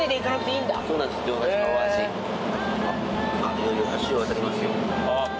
いよいよ橋を渡りますよ。